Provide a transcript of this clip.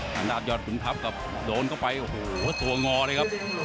ทางด้านยอดขุนทัพครับโดนเข้าไปโอ้โหตัวงอเลยครับ